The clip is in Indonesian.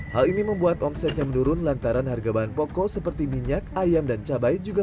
hal ini membuat omsetnya menurun lantaran harga bahan pokok seperti minyak ayam dan cabai juga